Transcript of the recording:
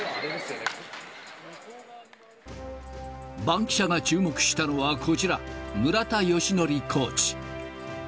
バンキシャが注目したのはこちら、村田善則コーチ。